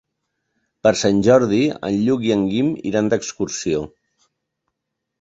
Per Sant Jordi en Lluc i en Guim iran d'excursió.